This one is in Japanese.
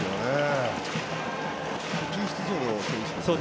途中出場の選手ですね。